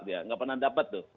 tidak pernah dapat